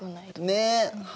ねえ。